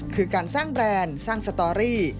คือการสร้างแบรนด์สร้างสตอรี่